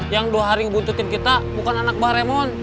yang dua hari ngebuntutin kita bukan anak bahar remon